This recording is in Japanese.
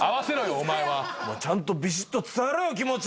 お前ちゃんとビシッと伝えろよ気持ち！